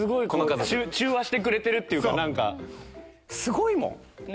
中和してくれてるっていうか何かすごいもん。